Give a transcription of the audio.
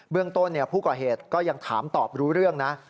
เรื่องต้นผู้ก่อเหตุก็ยังถามตอบรู้เรื่องนะ